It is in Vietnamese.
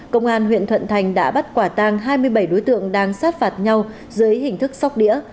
công an huyện thuận thành đã bắt quả tang hai mươi bảy đối tượng đang sát phạt nhau dưới hình thức sóc đĩa